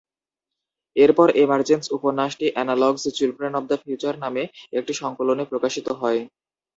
এরপর "এমারজেন্স" উপন্যাসটি "analog's children of the future" নামে একটি সংকলনে প্রকাশিত হয়।